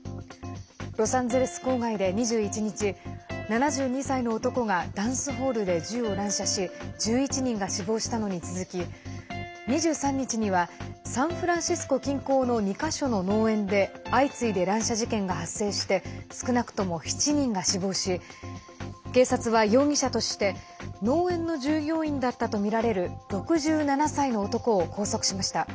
ロサンゼルス郊外で２１日７２歳の男がダンスホールで銃を乱射し１１人が死亡したのに続き２３日にはサンフランシスコ近郊の２か所の農園で相次いで乱射事件が発生して少なくとも７人が死亡し警察は容疑者として農園の従業員だったとみられる６７歳の男を拘束しました。